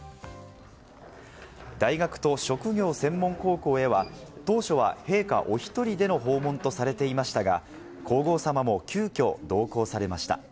大学と職業専門高校へは、当初は陛下お１人での訪問とされていましたが、皇后さまも急きょ同行されました。